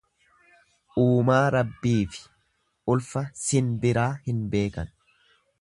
Uumaa Rabbiifi ulfa sinbiraa hin beekan.